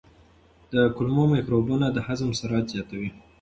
د کولمو مایکروبونه د هضم سرعت زیاتوي.